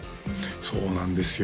そうなんですよ